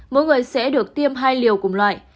mỗi người sẽ được tiêm hai liều cùng loại